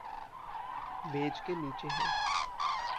मेज़ के नीचे है।